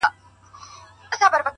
هر سهار نوی امکان له ځان سره راوړي؛